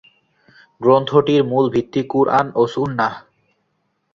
গ্রন্থটির মূল ভিত্তি "কুরআন" ও সুন্নাহ।